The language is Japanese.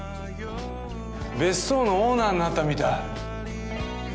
別荘のオーナーになったみたい。